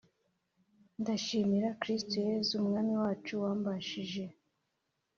Ndashimira Kristo Yesu Umwami wacu wambashishije